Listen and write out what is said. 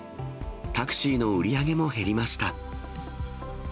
タクシーの売り上げも減りました。